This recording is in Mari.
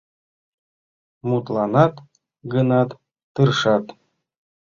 — Мутланат гынат, тыршат.